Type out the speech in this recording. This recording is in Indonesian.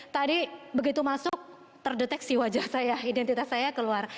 tadi begitu masuk terdeteksi wajah saya identitas saya keluar